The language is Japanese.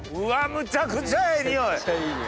めちゃくちゃいい匂い。